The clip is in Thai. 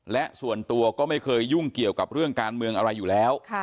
และส่วนตัวก็ไม่เคยยุ่งเกี่ยวกับเรื่องการเมืองอะไรอยู่แล้ว